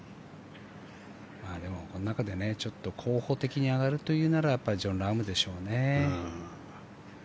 でも、この中で候補的に挙がるというならやっぱりジョン・ラームでしょうね。